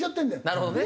なるほどね。